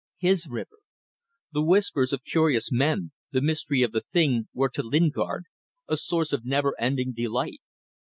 His river! The whispers of curious men, the mystery of the thing, were to Lingard a source of never ending delight.